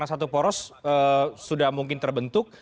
sporos sudah mungkin terbentuk